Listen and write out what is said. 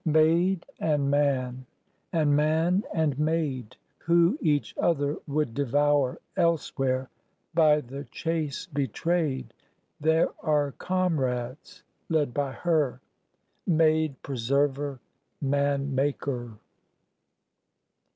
Maid and man, and man and maid, Who each other would devour Elsewhere, by the chase betrayed, There are comrades, led by her, Maid preserver, man maker.